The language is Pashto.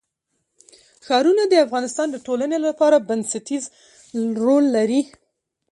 ښارونه د افغانستان د ټولنې لپاره بنسټيز رول لري.